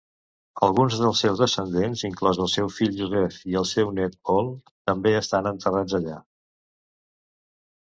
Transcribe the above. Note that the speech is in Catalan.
Alguns dels seus descendents, inclòs el seu fill Joseph i el seu nét Paul, també estan enterrats allà.